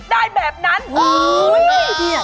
คุณสวัสดี